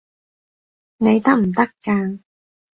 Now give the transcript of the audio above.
你得唔得㗎？